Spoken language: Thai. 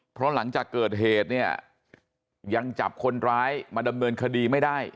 เพราะหลังจากเกิดเหตุเนี่ยยังจับคนร้ายมาดำเนินคดีไม่ได้